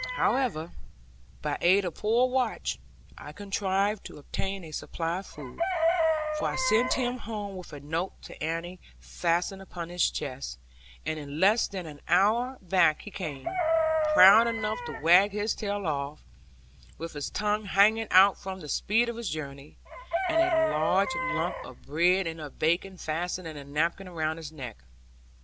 However, by aid of poor Watch, I contrived to obtain a supply of food; for I sent him home with a note to Annie fastened upon his chest; and in less than an hour back he came, proud enough to wag his tail off, with his tongue hanging out from the speed of his journey, and a large lump of bread and of bacon fastened in a napkin around his neck.